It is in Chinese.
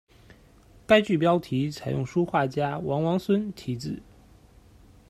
该剧标题采用书画家王王孙题字。